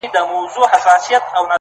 • له آدمه تر دې دمه دا قانون دی ,